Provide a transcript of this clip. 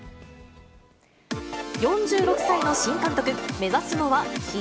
４６歳の新監督。